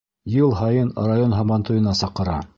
Йыл һайын район һабантуйына саҡыра.